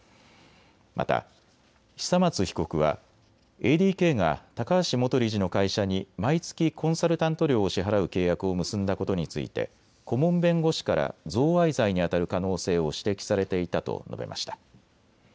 また久松被告はＡＤＫが高橋元理事の会社に毎月、コンサルタント料を支払う契約を結んだことについて顧問弁護士から贈賄罪にあたる可能性を指摘されていたと述べました。